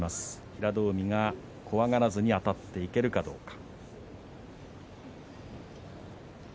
平戸海が怖がらずにあたっていけるかどうか。